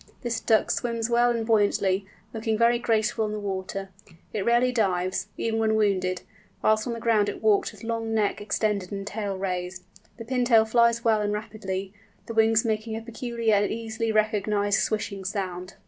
This Duck swims well and buoyantly, looking very graceful on the water; it rarely dives, even when wounded; whilst on the ground it walks with long neck extended and tail raised. The Pintail flies well and rapidly, the wings making a peculiar and easily recognised swishing sound.